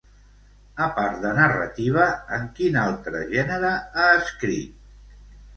A part de narrativa, en quin altre gènere ha escrit?